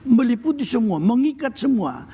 meliputi semua mengikat semua